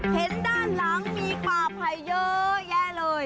เห็นด้านหลังมีป่าภัยเยอะแยะเลย